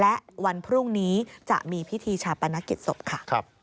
และวันพรุ่งนี้จะมีพิธีชาปนกิจศพค่ะ